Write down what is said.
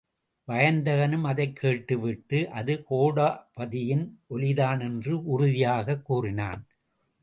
வயந்தகனும் அதைக் கேட்டுவிட்டு, அது கோடபதியின் ஒலிதான் என்று உறுதியாகக் கூறினான்.